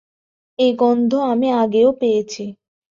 এ গন্ধ আমি আগেও পেয়েছি।